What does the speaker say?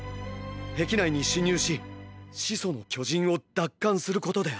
壁内に侵入し「始祖の巨人」を奪還することである。